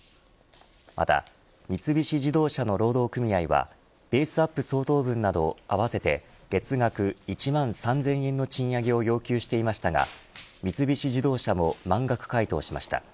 また三菱自動車の労働組合はベースアップ相当分など合わせて月額１万３０００円の賃上げを要求していましたが三菱自動車も満額回答しました。